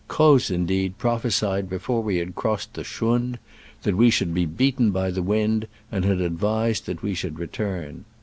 Croz, indeed, prophesied before we had cross ed the schrund that we should be beaten by the wind, and had advised that we should return.